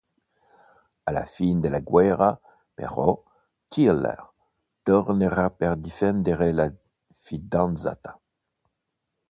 Alla fine della guerra, però, Tyler tornerà per difendere la fidanzata.